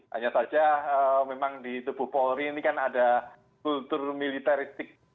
hanya saja memang di tubuh polri ini kan ada kultur militeristik